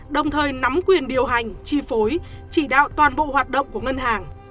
đồng thời nắm quyền điều hành chi phối chỉ đạo toàn bộ hoạt động của ngân hàng